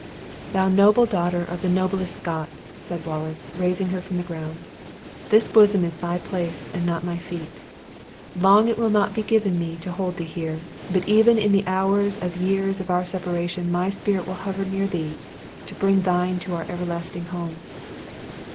"Thou noble daughter of the noblest Scot!" said Wallace, raising her from the ground, "this bosom is thy place, and not my feet. Long it will not be given me to hold thee here; but even in the hours of years of our separation my spirit will hover near thee, to bear thine to our everlasting home."